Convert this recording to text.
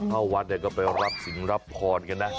เข้าวัดเนี่ยก็ไปรับสินรับพรกันนะ